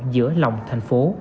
giữa lòng thành phố